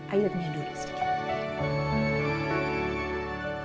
airnya dulu sedikit